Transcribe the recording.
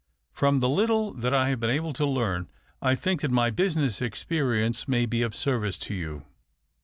From the little that I have been able to learn, I think that my business experience may be of service to you."